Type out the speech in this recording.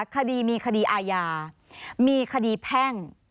คดีมีคดีอาญามีคดีแพ่ง